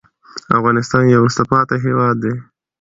افغانستان يو وروسته پاتې هېواد دې